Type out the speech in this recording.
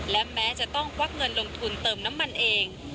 และแม้จะต้องควักเงินลงทุนเติมน้ำมันเอง